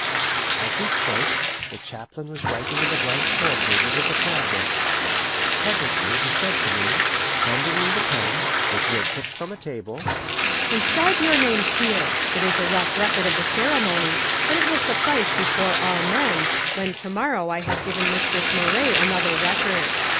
As we spoke, the chaplain was writing in the blank fore pages of the Prayer Book. Presently he said to me, handing me the pen, which he had picked from a table, "Inscribe your names here. It is a rough record of the ceremony, but it will suffice before all men, when to morrow I have given Mistress Moray another record."